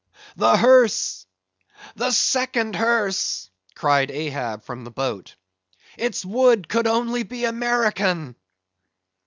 The hearse!—the second hearse!" cried Ahab from the boat; "its wood could only be American!"